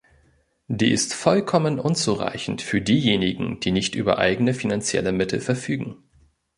Die ist vollkommen unzureichend für diejenigen, die nicht über eigene finanzielle Mittel verfügen.